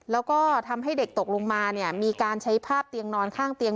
แล้วก็ทำให้เด็กตกลงมาเนี่ยมีการใช้ภาพเตียงนอนข้างเตียง